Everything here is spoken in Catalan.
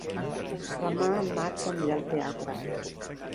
Demà en Max anirà al teatre.